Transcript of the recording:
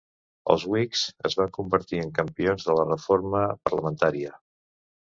Els Whigs es van convertir en campions de la reforma parlamentària.